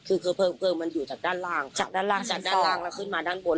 คือคือเพลิงมันอยู่จากด้านล่างจากด้านล่างจากด้านล่างแล้วขึ้นมาด้านบน